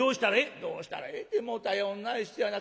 「『どうしたらええ？』ってもう頼んない人やな。